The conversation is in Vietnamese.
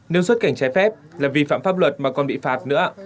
nếu xuất cảnh trái phép là vi phạm pháp luật mà còn bị phạt nữa